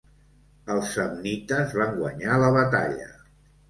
Els samnites van guanyar la batalla.